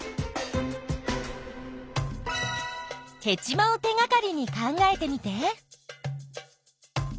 ヘチマを手がかりに考えてみて。